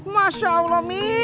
masya allah mi